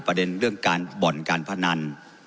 ประเด็นเรื่องการบ่อนการพนัน